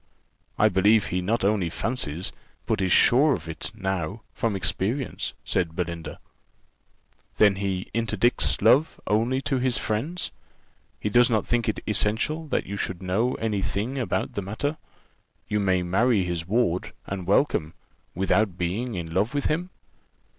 "I believe he not only fancies, but is sure of it now, from experience," said Belinda. "Then he interdicts love only to his friends? He does not think it essential that you should know any thing about the matter. You may marry his ward, and welcome, without being in love with him."